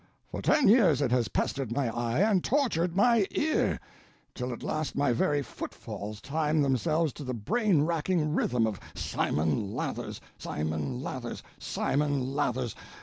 For ten years it has pestered my eye—and tortured my ear; till at last my very footfalls time themselves to the brain racking rhythm of _Simon Lathers!—Simon Lathers! —Simon Lathers!